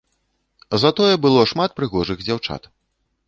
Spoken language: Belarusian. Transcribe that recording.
Затое было шмат прыгожых дзяўчат.